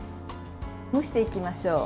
蒸していきましょう。